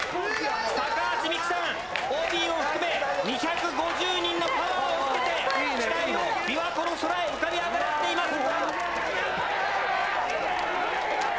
高橋実来さんＯＢを含め２５０人のパワーを受けて機体を琵琶湖の空へ浮かび上がらせています。